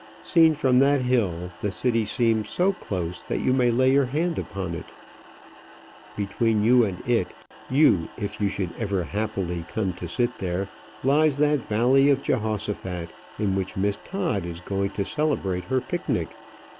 Seen from that hill, the city seems so close that you may lay your hand upon it. Between you and it (you, if ever you should happily come to sit there) lies that valley of Jehoshaphat, in which Miss Todd is going to celebrate her picnic.